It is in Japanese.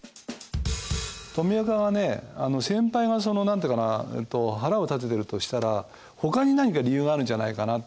とみあかがね先輩がその何てのかな腹を立ててるとしたらほかに何か理由があるんじゃないかなって。